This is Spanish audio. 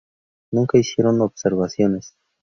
Nunca hicieron observaciones.